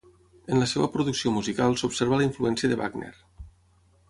En la seva producció musical s'observa la influència de Wagner.